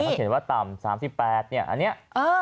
มันเขียนว่าต่ำ๓๘เนี่ย